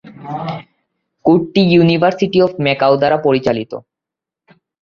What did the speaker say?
কোডটি University of Macau দ্বারা পরিচালিত।